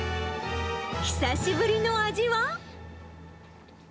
久しぶりの味は？